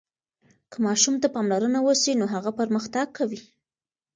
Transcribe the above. که ماشوم ته پاملرنه وسي نو هغه پرمختګ کوي.